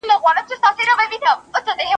¬ بې کسه بدي نه سي پاللاى.